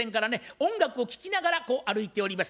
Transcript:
音楽を聴きながらこう歩いております。